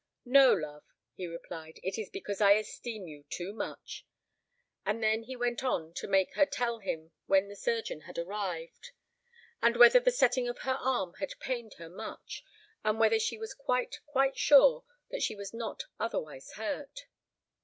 "No, love," he replied, "it is because I esteem you too much." And then he went on to make her tell him when the surgeon had arrived, and whether the setting of her arm had pained her much, and whether she was quite, quite sure that she was not otherwise hurt.